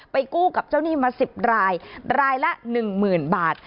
กู้กับเจ้าหนี้มา๑๐รายรายละ๑๐๐๐บาท